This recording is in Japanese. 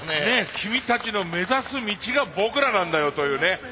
君たちの目指す道が僕らなんだよというね。